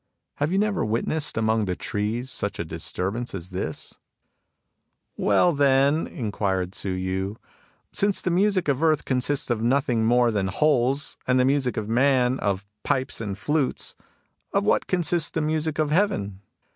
Have you never witnessed among the trees such a disturb ance as this ?" "Well, then," inqmred Tzu Yu, "since the music of Earth consists of nothing more than holes, and the music of Man of pipes and flutes, of what consists the music of Heaven